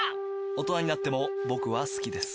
大人になっても僕は好きです。